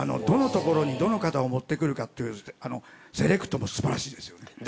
どのところにどの方を持ってくるかっていうセレクトもすばらしいですよね。